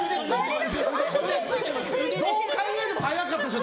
どう考えても早かったでしょ